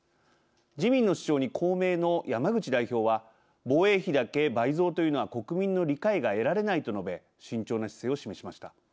自民の主張に公明の山口代表は防衛費だけ倍増というのは国民の理解が得られないと述べ慎重な姿勢を示しました。